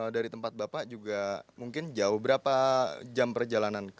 dari tempat bapak juga mungkin jauh berapa jam perjalanan